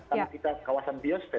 karena kita kawasan biosfer